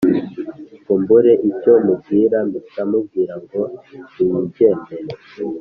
Ngo mbure icyo mubwira, mpita mubwira ngo niyigendere